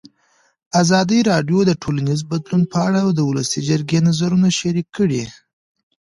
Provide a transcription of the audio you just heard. ازادي راډیو د ټولنیز بدلون په اړه د ولسي جرګې نظرونه شریک کړي.